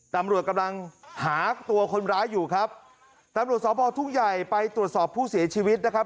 ตำรวจกำลังหาตัวคนร้ายอยู่ครับตำรวจสพทุ่งใหญ่ไปตรวจสอบผู้เสียชีวิตนะครับ